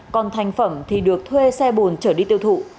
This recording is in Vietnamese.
còn thành phẩm thì được thuê xe bồn trở đi tiêu thụ